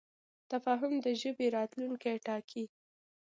تفاهم د ژبې راتلونکی ټاکي.